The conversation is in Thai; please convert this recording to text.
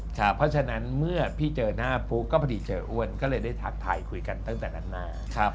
เพราะฉะนั้นเมื่อพี่เจอหน้าปุ๊ก็พอดีเจออ้วนก็เลยได้ทักทายคุยกันตั้งแต่นั้นมา